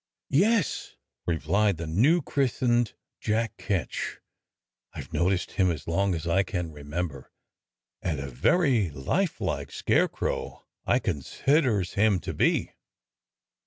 " "Yes," replied the new christened Jack Ketch; "I've noticed him as long as I can remember, and a very life like scarecrow I considers him to be."